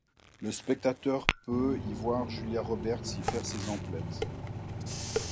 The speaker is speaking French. Le spectateur peut y voir Julia Roberts y faire ses emplettes.